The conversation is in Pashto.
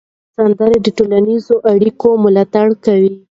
سندرې د ټولنیزو اړیکو ملاتړ کوي.